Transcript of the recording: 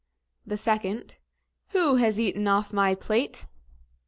The second, "Who has been eating off my plate?"